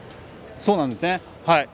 そうなんですね。